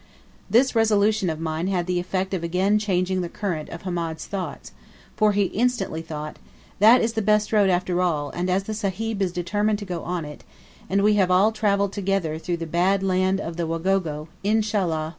This resolution of mine had the effect of again changing the current of Hamed's thoughts, for he instantly said, "That is the best road after all, and as the Sahib is determined to go on it, and we have all travelled together through the bad land of the Wagogo, Inshallah!